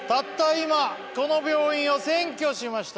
今、この病院を占拠しました。